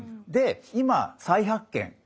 で今再発見。